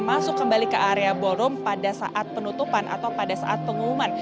masuk kembali ke area ballroom pada saat penutupan atau pada saat pengumuman